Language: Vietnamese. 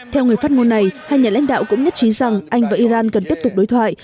theo người phát ngôn này hai nhà lãnh đạo cũng nhất trí rằng anh và iran cần tiếp tục đối thoại